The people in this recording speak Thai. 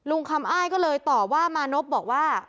ลุงคำอ้ายครับบังว่า